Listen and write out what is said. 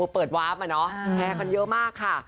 เปิดวาร์ฟอะเนาะแชร์กันเยอะมากค่ะ